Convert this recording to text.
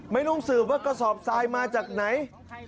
ไม่ต้องสืบว่ากระสอบทรายมาจากไหน